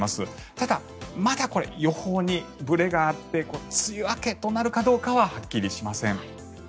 ただ、まだこれ予報にぶれがあって梅雨明けとなるかどうかははっきりしません。